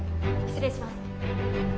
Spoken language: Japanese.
失礼します。